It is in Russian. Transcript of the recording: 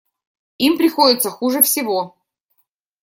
Им приходится хуже всего.